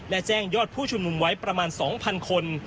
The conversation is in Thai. และแจ้งยอดผู้ชุมนุมไว้ประมาณ๒๐๐คน